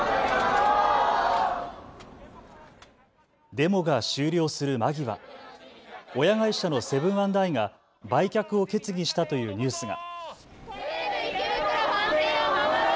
デモが終了する間際、親会社のセブン＆アイが売却を決議したというニュースが。